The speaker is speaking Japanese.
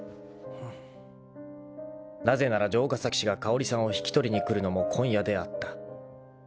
［なぜなら城ヶ崎氏が香織さんを引き取りに来るのも今夜であった］